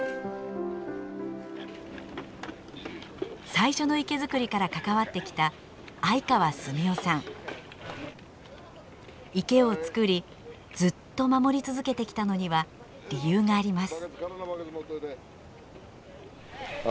最初の池造りから関わってきた池を造りずっと守り続けてきたのには理由があります。